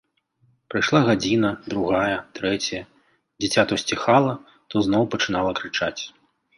Прайшла гадзіна, другая, трэцяя, дзіця то сціхала, то зноў пачынала крычаць.